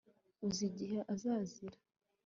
Uzi igihe azazira